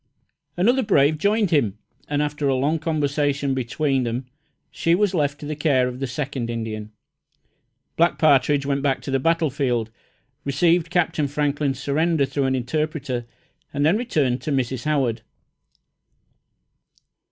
Another brave joined him, and after a long conversation between them she was left to the care of the second Indian. Black Partridge went back to the battlefield, received Captain Franklin's surrender, through an interpreter, and then returned to Mrs. Howard.